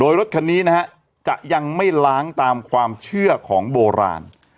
รถคันนี้นะฮะจะยังไม่ล้างตามความเชื่อของโบราณ